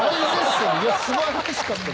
素晴らしかった。